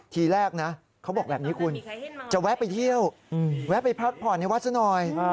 ทีแรกนะเขาบอกแบบนี้คุณจะแวะไปเที่ยวแวะไปพักผ่อนในวัดซะหน่อย